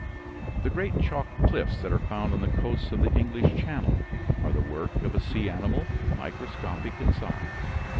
The great chalk cliffs that are found on the coasts of the English channel are the work of a sea animal microscopic in size.